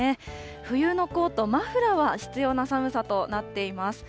冬のコート、マフラーは必要な寒さとなっています。